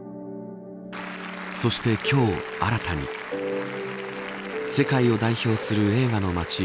そして、今日新たに世界を代表する映画の街